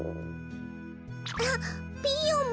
あっピーヨンも。